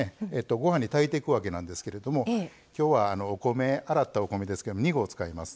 ご飯に炊いていくわけなんですけれどもきょうは洗ったお米ですけど２合使います。